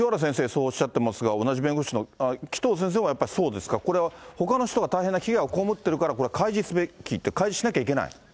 そうおっしゃってますが、同じ弁護士の紀藤先生もやっぱりそうですか、これはほかの人が大変な被害を被ってるから、これ、開示すべきって、開示しなきゃいけない？